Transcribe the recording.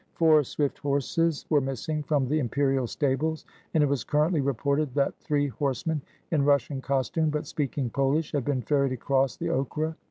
Four swift horses were missing from the imperial stables, and it was cur rently reported that three horsemen in Russian costume, but speaking Polish, had been ferried across the Okra.